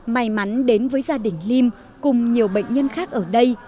may mắn đến với gia đình lim cùng nhiều bệnh nhân khác ở đây